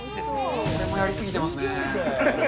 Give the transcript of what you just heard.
これもやり過ぎてますね。